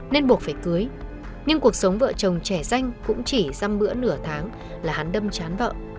nên buộc phải cưới nhưng cuộc sống vợ chồng trẻ danh cũng chỉ dăm bữa nửa tháng là hắn đâm chán vợ